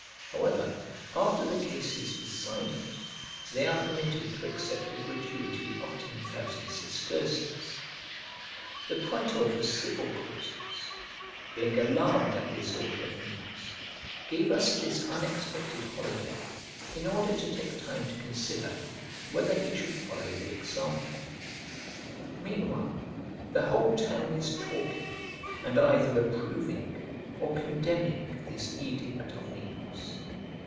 However, after the case is decided, they are permitted to accept a gratuity of ten thousand sesterces. The praetor for civil causes, being alarmed at this order of Nepos, gave us this unexpected holiday in order to take time to consider whether he should follow the example. Meanwhile the whole town is talking, and either approving or condemning this edict of Nepos.